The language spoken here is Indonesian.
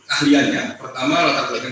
ahliannya pertama latar belakang